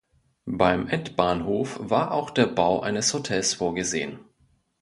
Beim Endbahnhof war auch der Bau eines Hotels vorgesehen.